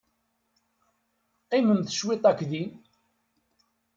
Qqimemt cwit akked-i.